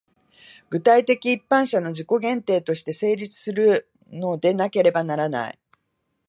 具体的一般者の自己限定として成立するのでなければならない。